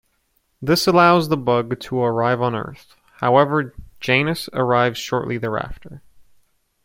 This allows the Bug to arrive on Earth; however, Janus arrives shortly thereafter.